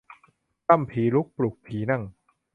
ปล้ำผีลุกปลุกผีนั่ง